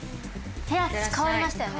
部屋変わりましたよね？